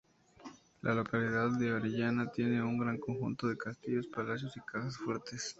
La localidad de Orellana tiene un gran conjunto de castillos, palacios y casas fuertes.